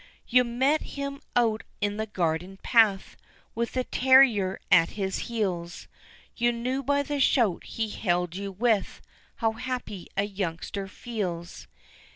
You met him out in the garden path, With the terrier at his heels, You knew by the shout he hailed you with How happy a youngster feels.